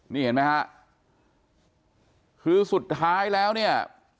นี่เห็นไหมฮะคือสุดท้ายแล้วเนี่ย